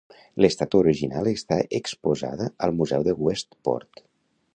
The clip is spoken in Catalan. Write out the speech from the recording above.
L'estàtua original està exposada al museu de Westport.